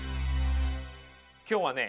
今日はね